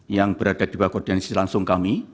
yang berada di bawah koordinasi langsung kami